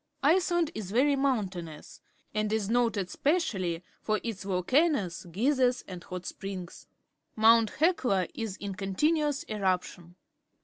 Iceland is very mountainous, and is noted specially for Tts volcanoes, geysers, and hot ^ rings . Mount Hichi is in continuous eruptioa.